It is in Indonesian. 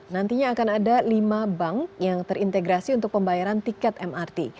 nantinya akan ada lima bank yang terintegrasi untuk pembayaran tiket mrt